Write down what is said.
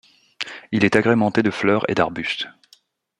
Il est agrémenté de fleurs et d'arbustes.